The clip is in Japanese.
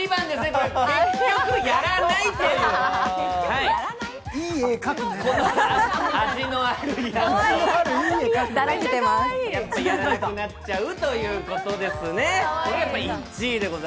やっぱりやらなくなっちゃうということですね。